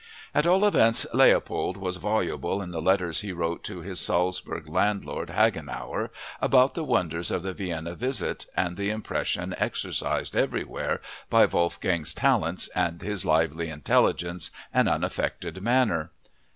At all events Leopold was voluble in the letters he wrote to his Salzburg landlord, Hagenauer, about the wonders of the Vienna visit and the impression exercised everywhere by Wolfgang's talents and his lively intelligence and unaffected manner.